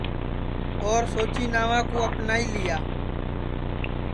اور سوچی ناوا کُو اپنائی لیا